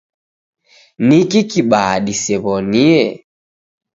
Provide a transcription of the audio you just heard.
Niki kibaa disew'onie.